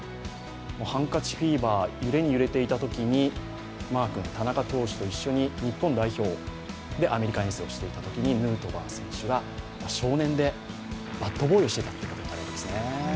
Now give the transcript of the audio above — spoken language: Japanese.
ハンカチフィーバー、揺れに揺れていたときに、マー君、田中投手と一緒に日本代表でアメリカ遠征をしていたときにヌートバー選手が少年でバットボーイをしていたということですね。